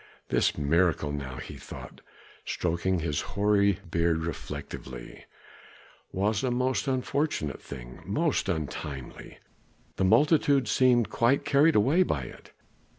"This miracle now," he thought, stroking his hoary beard reflectively, "was a most unfortunate thing most untimely. The multitude seem quite carried away by it.